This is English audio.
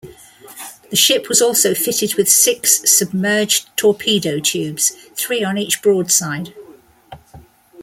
The ship was also fitted with six submerged torpedo tubes, three on each broadside.